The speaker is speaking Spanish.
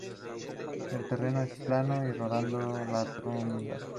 El terreno es plano y rodando la tundra.